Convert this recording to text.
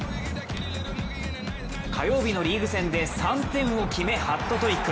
火曜日のリーグ戦で、３点を決めハットトリック。